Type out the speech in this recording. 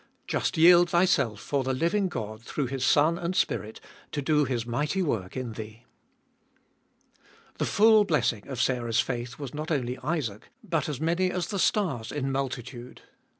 Just yield thyself for the living God through His Son and Spirit to do His mighty work In thee. 4. The full blessing of Sarah's faith was not only Isaac, but as many as the stars in multi tude.